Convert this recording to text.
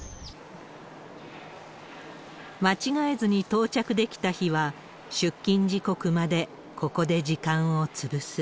間違えずに到着できた日は出勤時刻まで、ここで時間を潰す。